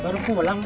baru aku pulang pak